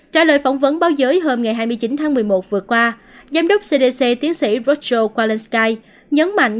trả lời phỏng vấn báo giới hôm hai mươi chín tháng một mươi một vừa qua giám đốc cdc tiến sĩ roger kowalski nhấn mạnh